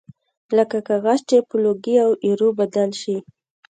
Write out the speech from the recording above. لکه کاغذ چې په لوګي او ایرو بدل شي